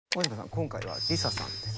今回はＬｉＳＡさんです。